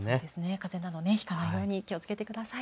かぜなどひかないように気をつけてください。